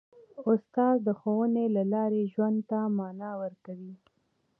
استاد د ښوونې له لارې ژوند ته مانا ورکوي.